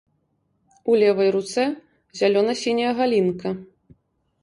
У левай руцэ зялёна-сіняя галінка.